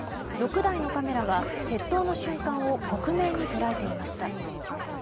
６台のカメラが窃盗の瞬間を克明に捉えていました。